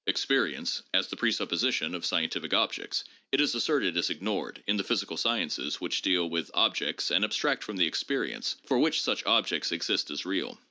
Ex perience as the presupposition of scientific objects, it is asserted, is ignored in the physical sciences, which deal with objects and abstract from the experience for which such objects exist as real.